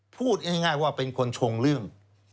พูดง่ายว่าเป็นคนชงเรื่อง